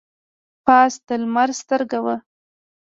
پاس د لمر سترګه وه.